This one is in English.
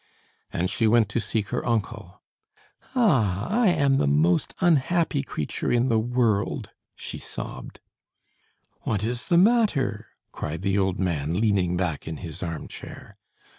And she went to seek her uncle. "Ah, I am the most unhappy creature in the world!" she sobbed. "What is the matter?" cried the old man, leaning back in his armchair.